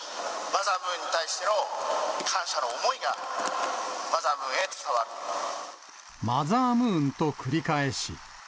マザームーンに対しての感謝の思いが、マザームーンと繰り返し。